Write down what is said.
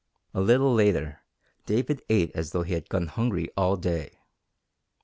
A little later David ate as though he had gone hungry all day.